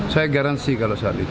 saya garansi kalau saat itu